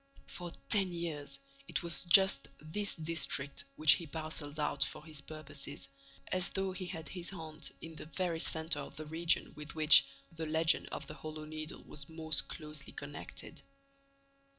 For ten years, it was just this district which he parcelled out for his purposes, as though he had his haunt in the very centre of the region with which, the legend of the Hollow Needle was most closely connected.